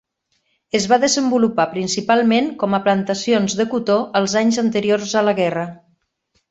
Es va desenvolupar principalment com a plantacions de cotó els anys anteriors a la guerra.